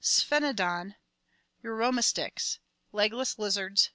Sphenodon Uromastix. Legless lizards.